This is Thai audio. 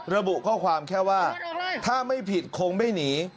ระบุข้อความแค่ว่าถ้าไม่ผิดคงไม่หนี